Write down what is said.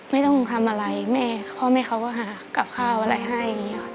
ไม่ต้องทำอะไรพ่อแม่เขาก็หากลับข้าวอะไรให้